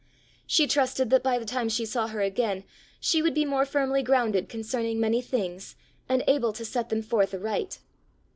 She trusted that by the time she saw her again she would be more firmly grounded concerning many things, and able to set them forth aright.